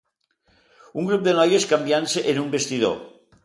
Un grup de noies canviant-se en un vestidor